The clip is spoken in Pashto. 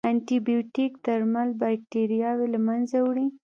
انټيبیوټیک درمل باکتریاوې له منځه وړي.